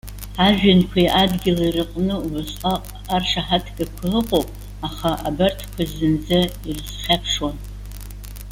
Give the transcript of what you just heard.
Ажәҩанқәеи адгьыли рыҟны убасҟак аршаҳаҭгақәа ыҟоуп, аха абарҭқәа зынӡа ирызхьаԥшуам.